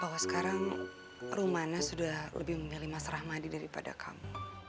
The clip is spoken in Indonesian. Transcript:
bahwa sekarang rumana sudah lebih memilih mas rahmadi daripada kamu